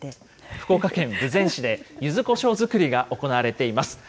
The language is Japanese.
福岡県豊前市で、ゆずこしょう作りが行われています。